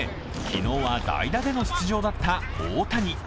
昨日は代打での出場だった大谷。